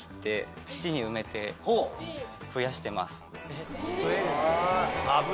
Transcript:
えっ？